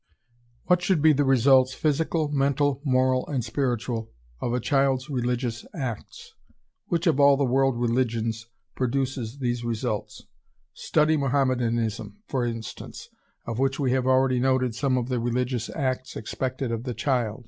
] What should be the results, physical, mental, moral, and spiritual, of a child's religious acts? Which of all the world religions produces these results? Study Mohammedanism, for instance, of which we have already noted some of the religious acts expected of the child.